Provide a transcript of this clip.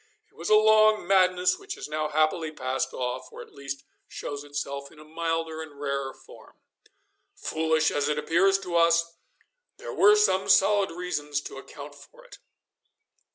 It was a long madness which has now happily passed off, or at least shows itself in a milder and rarer form. Foolish as it appears to us, there were some solid reasons to account for it.